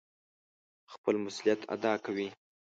خپل مسئوليت اداء کوي.